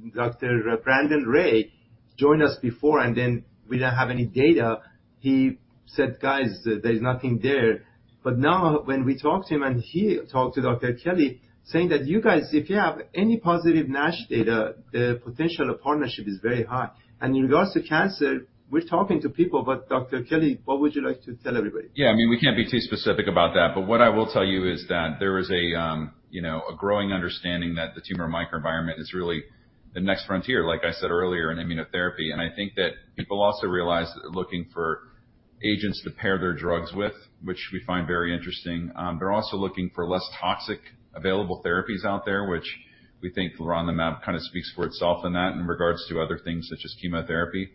Ray joined us before, and then we didn't have any data, he said, "Guys, there's nothing there." Now when we talk to him, and he talked to Dr. Kelly, saying that, "You guys, if you have any positive NASH data, the potential of partnership is very high." In regards to cancer, we're talking to people. Dr. Kelly, what would you like to tell everybody? Yeah, I mean, we can't be too specific about that. What I will tell you is that there is a, you know, a growing understanding that the tumor microenvironment is really the next frontier, like I said earlier, in immunotherapy. I think that people also realize they're looking for agents to pair their drugs with, which we find very interesting. They're also looking for less toxic available therapies out there, which we think leronlimab kind of speaks for itself in that in regards to other things such as chemotherapy.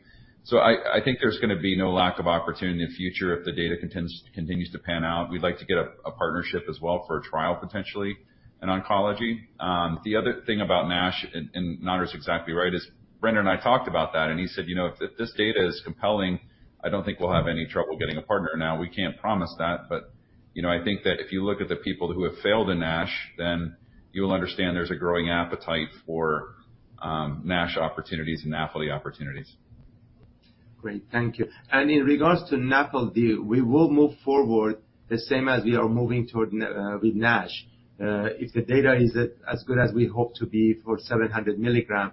I think there's gonna be no lack of opportunity in future if the data continues to pan out. We'd like to get a partnership as well for a trial, potentially in oncology. The other thing about NASH, and Nader is exactly right is, Nitya and I talked about that, and he said, "You know, if this data is compelling, I don't think we'll have any trouble getting a partner." Now, we can't promise that, but, you know, I think that if you look at the people who have failed in NASH, then you'll understand there's a growing appetite for NASH opportunities and NAFLD opportunities. Great. Thank you. In regards to NAFLD deal, we will move forward the same as we are moving forward with NASH. If the data is as good as we hope to be for 700 mg,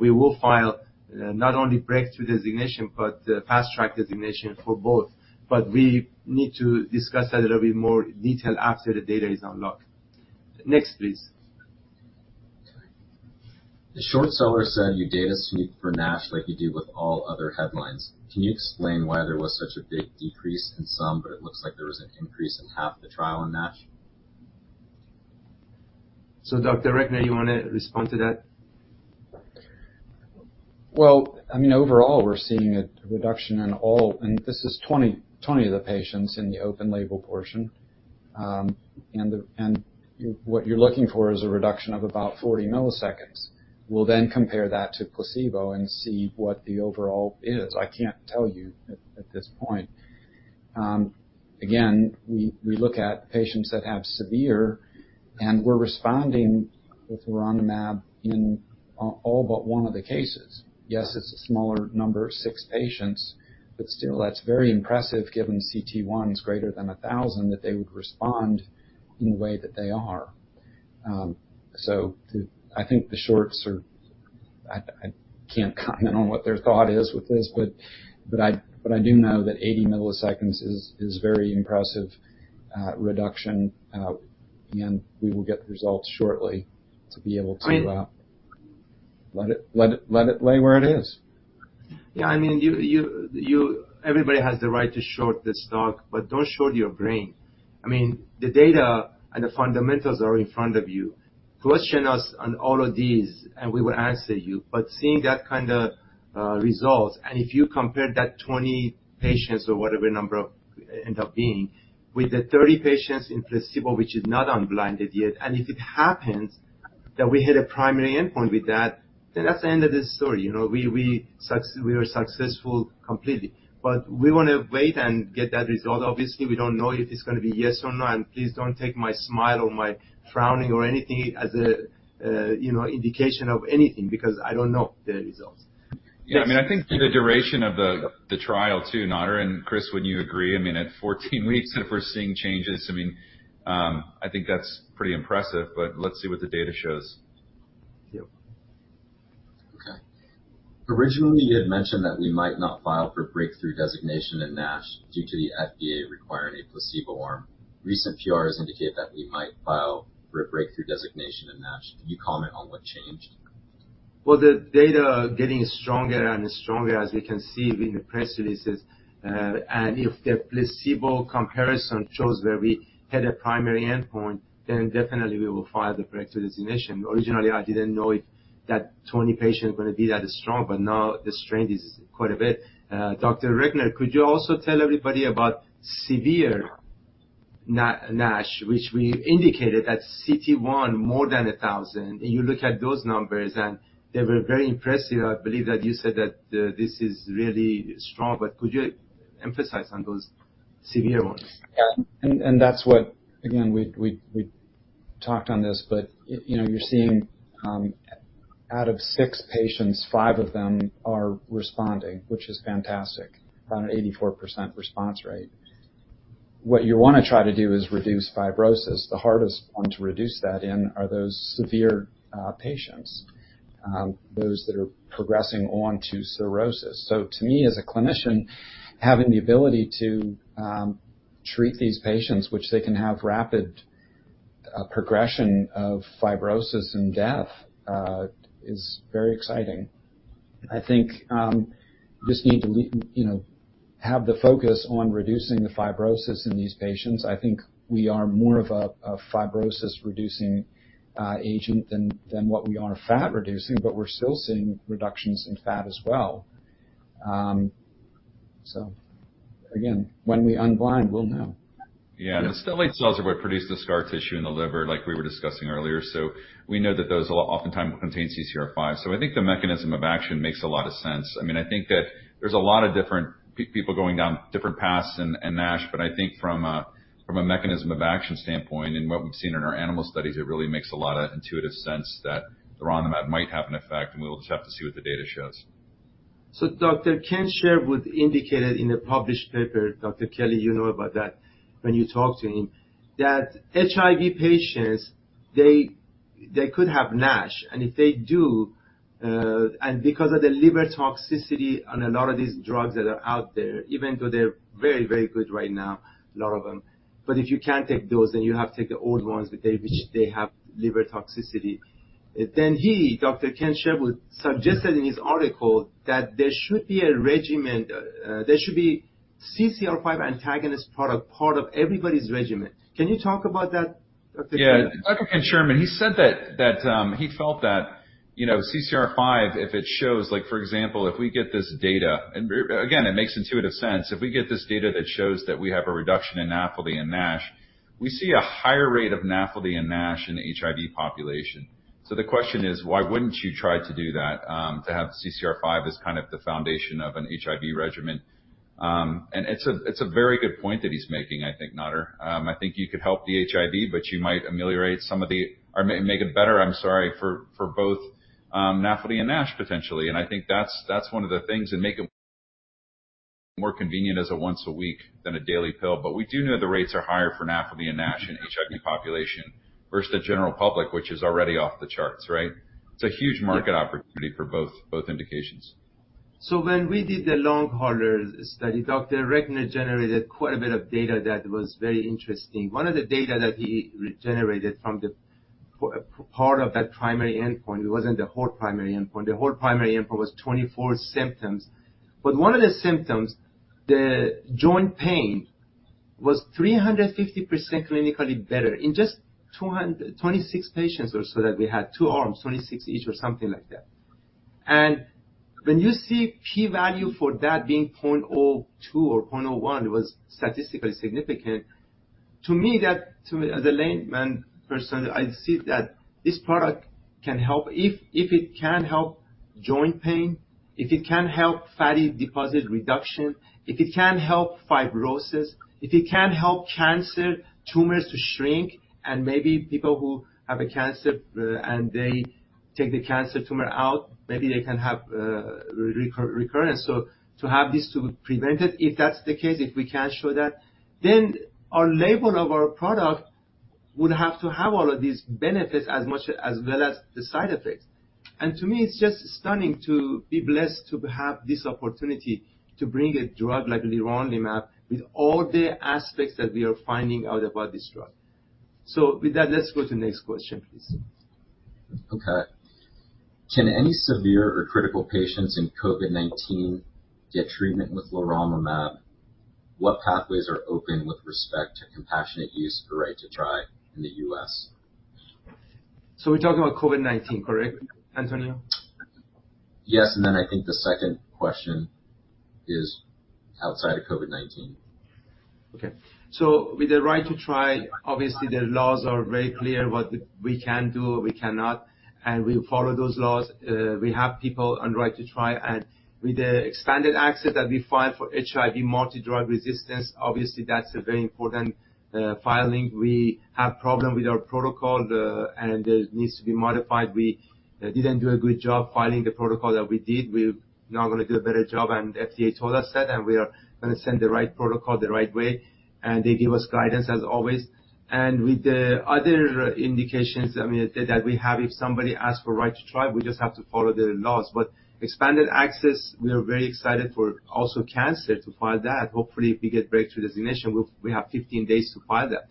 we will file not only breakthrough designation, but fast track designation for both. We need to discuss that a little bit more in detail after the data is unlocked. Next, please. The short seller said you data sneak for NASH like you do with all other headlines. Can you explain why there was such a big decrease in some, but it looks like there was an increase in half the trial in NASH? Dr. Recknor, you wanna respond to that? Well, I mean, overall, we're seeing a reduction in all. This is 20 of the patients in the open label portion. What you're looking for is a reduction of about 40 milliseconds. We'll then compare that to placebo and see what the overall is. I can't tell you at this point. Again, we look at patients that have severe, and we're responding with leronlimab in all but one of the cases. Yes, it's a smaller number, six patients, but still that's very impressive given cT1 is greater than 1,000, that they would respond in the way that they are. I think the shorts are. I can't comment on what their thought is with this, but I do know that 80 milliseconds is very impressive reduction. Again, we will get the results shortly to be able to. I- Let it lay where it is. Yeah. I mean, you... Everybody has the right to short the stock, but don't short your brain. I mean, the data and the fundamentals are in front of you. Question us on all of these, and we will answer you. But seeing that kinda results, and if you compare that 20 patients or whatever number of end up being, with the 30 patients in placebo, which is not unblinded yet, and if it happens that we hit a primary endpoint with that, then that's the end of the story. You know, we were successful completely. But we wanna wait and get that result. Obviously, we don't know if it's gonna be yes or no, and please don't take my smile or my frowning or anything as a, you know, indication of anything because I don't know the results. Yeah. I mean, I think the duration of the trial too, Nader, and Chris, wouldn't you agree? I mean, at 14 weeks if we're seeing changes, I mean, I think that's pretty impressive, but let's see what the data shows. Yep. Okay. Originally, you had mentioned that we might not file for breakthrough designation in NASH due to the FDA requiring a placebo arm. Recent PRs indicate that we might file for a breakthrough designation in NASH. Can you comment on what changed? Well, the data are getting stronger and stronger, as you can see in the press releases. If the placebo comparison shows that we hit a primary endpoint, then definitely we will file the breakthrough designation. Originally, I didn't know if that 20-patient is gonna be that strong, but now the strength is quite a bit. Dr. Recknor, could you also tell everybody about severe NASH, which we indicated that cT1 more than 1,000. You look at those numbers, and they were very impressive. I believe that you said that this is really strong, but could you emphasize on those severe ones? Yeah. That's what, again, we talked on this, but you know, you're seeing out of six patients, five of them are responding, which is fantastic. Around 84% response rate. What you wanna try to do is reduce fibrosis. The hardest one to reduce that in are those severe patients, those that are progressing on to cirrhosis. To me, as a clinician, having the ability to treat these patients, which they can have rapid progression of fibrosis and death, is very exciting. I think just need to you know, have the focus on reducing the fibrosis in these patients. I think we are more of a fibrosis reducing agent than what we are fat reducing, but we're still seeing reductions in fat as well. Again, when we unblind, we'll know. Yeah. The stellate cells are what produce the scar tissue in the liver, like we were discussing earlier. We know that those will oftentimes contain CCR5. I think the mechanism of action makes a lot of sense. I mean, I think that there's a lot of different people going down different paths in NASH, but I think from a mechanism of action standpoint and what we've seen in our animal studies, it really makes a lot of intuitive sense that leronlimab might have an effect and we'll just have to see what the data shows. Dr. Ken Sherwood indicated in a published paper, Dr. Scott Kelly, you know about that when you talked to him, that HIV patients they could have NASH. If they do, because of the liver toxicity on a lot of these drugs that are out there, even though they're very, very good right now, a lot of them, but if you can't take those, then you have to take the old ones, but which they have liver toxicity. He, Dr. Ken Sherwood, suggested in his article that there should be a regimen, there should be CCR5 antagonist product part of everybody's regimen. Can you talk about that, Dr. Scott Kelly? Yeah. Dr. Ken Sherwood, he said that he felt that, you know, CCR5, if it shows, like, for example, if we get this data, and again, it makes intuitive sense. If we get this data that shows that we have a reduction in NAFLD and NASH, we see a higher rate of NAFLD and NASH in the HIV population. The question is, why wouldn't you try to do that, to have CCR5 as kind of the foundation of an HIV regimen? And it's a very good point that he's making, I think, Nader. I think you could help the HIV, but you might ameliorate some of the or make it better, I'm sorry, for both NAFLD and NASH, potentially. I think that's one of the things, and make it more convenient as a once a week than a daily pill. We do know the rates are higher for NAFLD and NASH in HIV population versus the general public, which is already off the charts, right? It's a huge market opportunity for both indications. When we did the long hauler study, Dr. Recknor generated quite a bit of data that was very interesting. One of the data that he generated for a part of that primary endpoint, it wasn't the whole primary endpoint. The whole primary endpoint was 24 symptoms. One of the symptoms, the joint pain was 350% clinically better in just 226 patients or so that we had, two arms, 26 each or something like that. When you see p-value for that being 0.02 or 0.01 was statistically significant, to me, as a layman person, I see that this product can help. If it can help joint pain, if it can help fatty deposit reduction, if it can help fibrosis, if it can help cancer tumors to shrink and maybe people who have a cancer, and they take the cancer tumor out, maybe they can have recurrence. To have this to prevent it, if that's the case, if we can show that, then our label of our product would have to have all of these benefits as much as well as the side effects. To me, it's just stunning to be blessed to have this opportunity to bring a drug like leronlimab with all the aspects that we are finding out about this drug. With that, let's go to the next question, please. Okay. Can any severe or critical patients in COVID-19 get treatment with leronlimab? What pathways are open with respect to compassionate use or Right to Try in the U.S.? We're talking about COVID-19, correct, Antonio? Yes. I think the second question is outside of COVID-19. Okay. With the Right to Try, obviously the laws are very clear what we can do, we cannot, and we follow those laws. We have people on Right to Try. With the expanded access that we filed for HIV multi-drug resistance, obviously that's a very important filing. We have problem with our protocol and it needs to be modified. We didn't do a good job filing the protocol that we did. We're now gonna do a better job, and FDA told us that, and we are gonna send the right protocol the right way, and they give us guidance as always. With the other indications, I mean, that we have, if somebody asks for right to try, we just have to follow the laws. Expanded access, we are very excited for also cancer to file that. Hopefully, if we get breakthrough designation, we have 15 days to file that.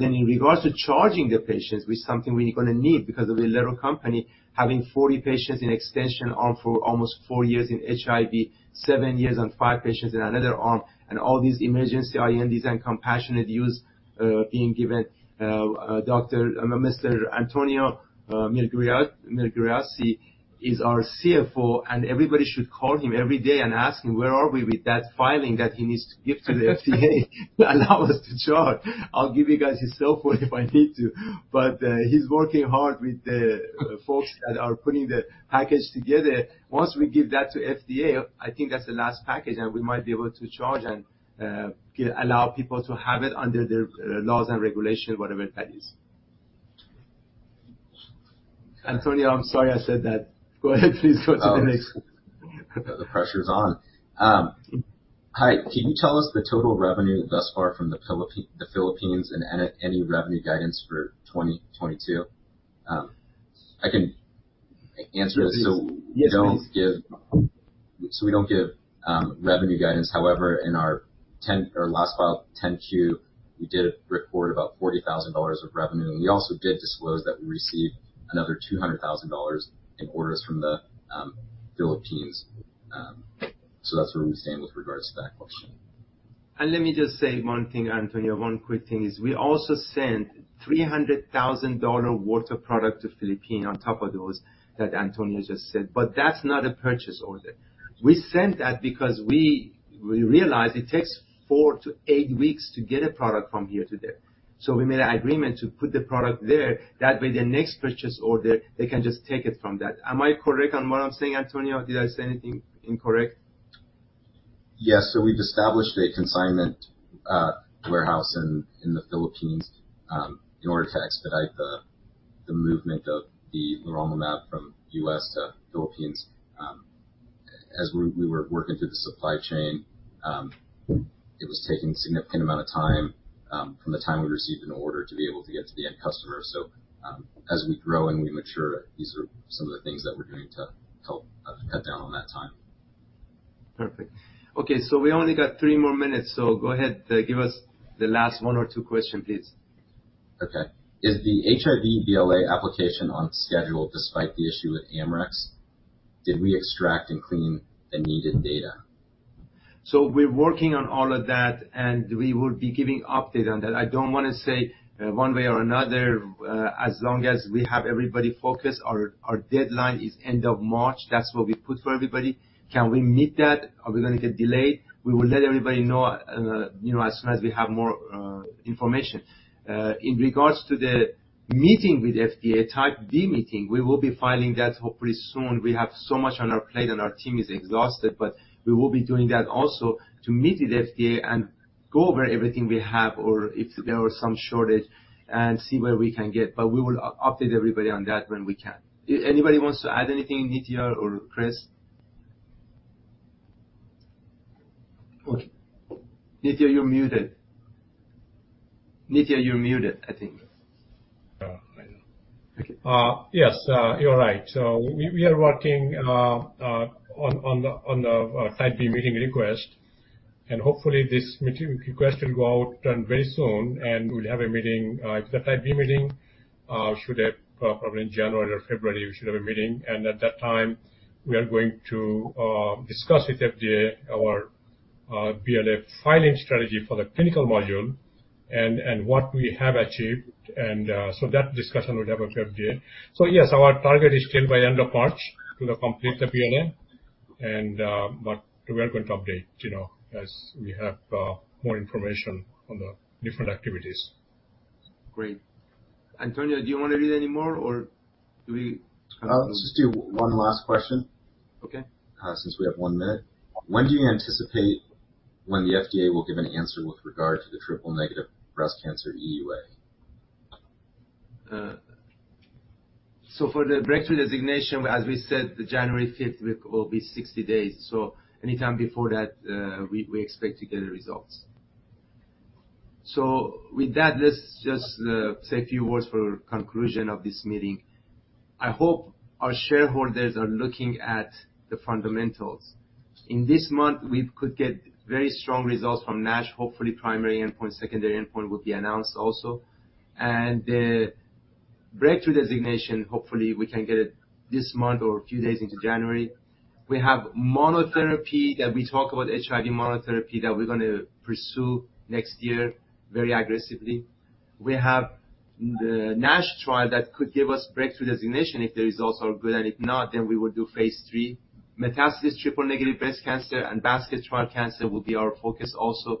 In regards to charging the patients with something we're gonna need because of a little company, having 40 patients in extension arm for almost four years in HIV, seven years and five patients in another arm, and all these emergency INDs and compassionate use being given. Mr. Antonio Migliarese is our CFO, and everybody should call him every day and ask him where are we with that filing that he needs to give to the FDA to allow us to charge. I'll give you guys his cell phone if I need to. He's working hard with the folks that are putting the package together. Once we give that to FDA, I think that's the last package, and we might be able to charge and allow people to have it under the laws and regulations, whatever that is. Antonio, I'm sorry I said that. Go ahead. Please go to the next. The pressure's on. Hi. Can you tell us the total revenue thus far from the Philippines and any revenue guidance for 2022? I can answer this. Please. Yes, please. We don't give revenue guidance. However, in our 10-Q, our last filed 10-Q, we did report about $40,000 of revenue, and we also did disclose that we received another $200,000 in orders from the Philippines. That's where we stand with regards to that question. Let me just say one thing, Antonio. One quick thing is we also sent $300,000 worth of product to Philippines on top of those that Antonio just said, but that's not a purchase order. We sent that because we realized it takes four to eight weeks to get a product from here to there. We made an agreement to put the product there. That way the next purchase order, they can just take it from that. Am I correct on what I'm saying, Antonio? Did I say anything incorrect? Yes. We've established a consignment warehouse in the Philippines in order to expedite the movement of the leronlimab from U.S. to Philippines. As we were working through the supply chain, it was taking significant amount of time from the time we received an order to be able to get to the end customer. As we grow and we mature, these are some of the things that we're doing to help cut down on that time. Perfect. Okay, we only got three more minutes, so go ahead, give us the last one or two question, please. Okay. Is the HIV BLA application on schedule despite the issue with Amarex? Did we extract and clean the needed data? We're working on all of that, and we will be giving update on that. I don't wanna say one way or another. As long as we have everybody focused, our deadline is end of March. That's what we put for everybody. Can we meet that? Are we gonna get delayed? We will let everybody know, you know, as soon as we have more information. In regards to the meeting with FDA, type B meeting, we will be filing that hopefully soon. We have so much on our plate, and our team is exhausted, but we will be doing that also to meet with FDA and go over everything we have or if there was some shortage and see where we can get. But we will update everybody on that when we can. Anybody wants to add anything, Nitya or Chris? Okay. Nitya, you're muted. Nitya, you're muted, I think. Oh, I know. Okay. Yes, you're right. We are working on the type B meeting request, and hopefully this meeting request will go out very soon, and we'll have a meeting, the type B meeting should have probably in January or February, we should have a meeting. At that time, we are going to discuss with FDA our BLA filing strategy for the clinical module and what we have achieved. That discussion we'll have with FDA. Yes, our target is still by end of March to complete the BLA. But we are going to update, you know, as we have more information on the different activities. Great. Antonio, do you wanna read any more, or do we kind of? Let's just do one last question. Okay. Since we have one minute. When do you anticipate the FDA will give an answer with regard to the triple-negative breast cancer BTD? For the breakthrough designation, as we said, January 5th will be 60 days. Anytime before that, we expect to get the results. With that, let's just say a few words for conclusion of this meeting. I hope our shareholders are looking at the fundamentals. In this month, we could get very strong results from NASH, hopefully primary endpoint, secondary endpoint will be announced also. The breakthrough designation, hopefully we can get it this month or a few days into January. We have monotherapy that we talk about HIV monotherapy that we're gonna pursue next year very aggressively. We have the NASH trial that could give us breakthrough designation if the results are good, and if not, then we will do phase III. Metastatic triple-negative breast cancer and basket trial cancer will be our focus also.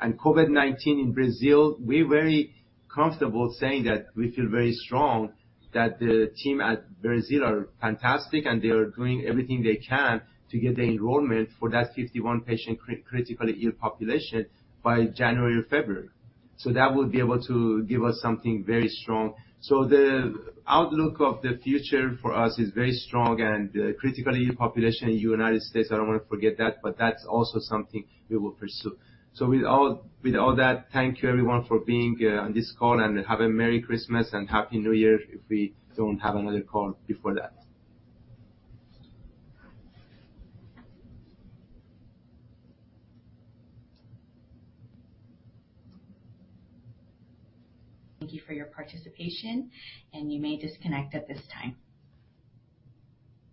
COVID-19 in Brazil, we're very comfortable saying that we feel very strong that the team at Brazil are fantastic, and they are doing everything they can to get the enrollment for that 51 patient critically ill population by January or February. That will be able to give us something very strong. The outlook of the future for us is very strong. Critically ill population in United States, I don't wanna forget that, but that's also something we will pursue. With all that, thank you everyone for being on this call, and have a Merry Christmas and Happy New Year if we don't have another call before that. Thank you for your participation, and you may disconnect at this time.